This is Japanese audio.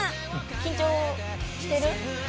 緊張してる？